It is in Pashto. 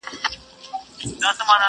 څه ترخه ترخه راګورې څه تیاره تیاره ږغېږې,